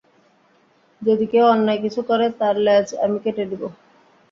যদি কেউ অন্যায় কিছু করে, তার লেজ আমি কেটে দিবো!